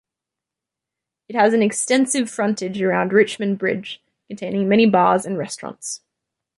It has an extensive frontage around Richmond Bridge, containing many bars and restaurants.